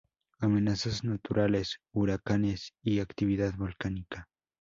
Amenazas naturales: Huracanes y actividad volcánica.